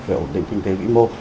về ổn định kinh tế vĩ mô